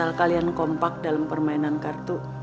kalau kalian kompak dalam permainan kartu